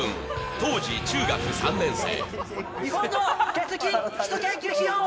当時、中学３年生。